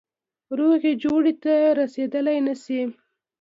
روغي جوړي ته رسېدلای نه سي.